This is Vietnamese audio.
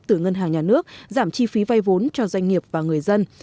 từ ngân hàng nhà nước giảm chi phí vay vốn cho doanh nghiệp và người dân